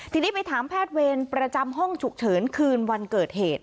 ทีนี้ไปถามแพทย์เวรประจำห้องฉุกเฉินคืนวันเกิดเหตุ